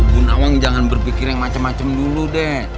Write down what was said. bu nawang jangan berpikir yang macem macem dulu deh